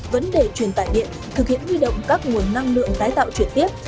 vấn đề truyền tải điện thực hiện huy động các nguồn năng lượng tái tạo chuyển tiếp